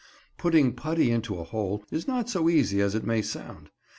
Putting putty into a hole is not so easy as it may sound.